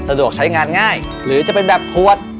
สะดวกใช้งานง่ายหรือจะเป็นแบบขวด